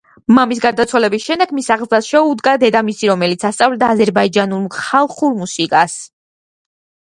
მამის გარდაცვალების შემდეგ, მის აღზრდას შეუდგა დედამისი, რომელიც ასწავლიდა აზერბაიჯანულ ხალხურ მუსიკას.